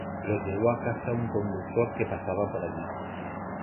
Lo llevó a casa un conductor que pasaba por allí.